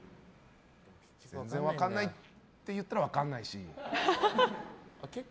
全然分からないっていったら分からないし。